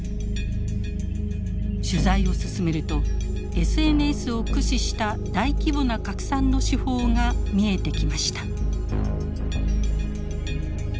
取材を進めるとＳＮＳを駆使した大規模な拡散の手法が見えてきました。